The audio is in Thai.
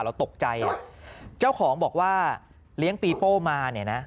เราตกใจเจ้าของบอกว่าเลี้ยงปีโป้มาเนี่ยนะ